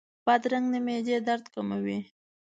بادرنګ د معدې درد کموي.